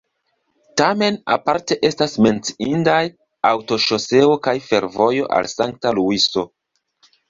Tamen aparte estas menciindaj aŭtoŝoseo kaj fervojo al Sankta Luiso.